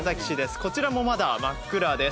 こちらもまだ真っ暗です。